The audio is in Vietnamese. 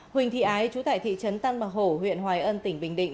huỳnh thị ái chú tại thị trấn tăn mạc hổ huyện hoài ân tỉnh bình định